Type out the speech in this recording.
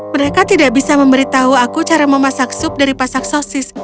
mereka tidak bisa memberitahu aku cara memasak sup dari pasak sosis